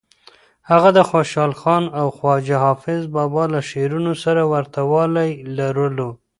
هغه د خوشحال خان او خواجه حافظ بابا له شعرونو سره ورته والی لرلو.